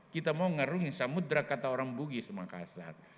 kita mau ngarungi samudera kata orang bugis makassar